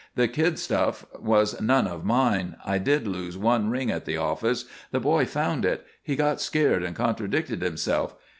The kid stuff was none of mine. I did lose one ring at the office. The boy found it. He got scared and contradicted himself.